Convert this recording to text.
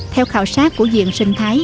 theo khảo sát của viện sinh thái